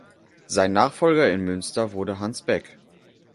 Sein Nachfolger in Münster wurde Hans Beck.